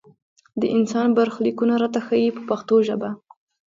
د انسان برخلیکونه راته ښيي په پښتو ژبه.